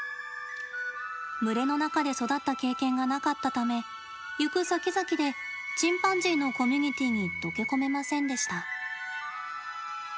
群れの中で育った経験がなかったため、行くさきざきでチンパンジーのコミュニティーに溶け込めませんでした。